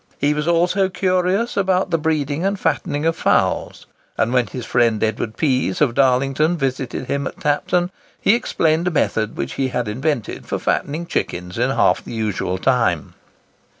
He was also curious about the breeding and fattening of fowls; and when his friend Edward Pease of Darlington visited him at Tapton, he explained a method which he had invented for fattening chickens in half the usual time.